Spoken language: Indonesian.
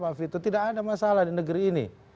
pak vito tidak ada masalah di negeri ini